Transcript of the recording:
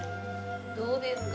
どうですか？